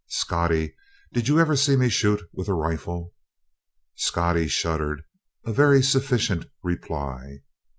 Scottie, did you ever see me shoot with a rifle?" Scottie shuddered a very sufficient reply.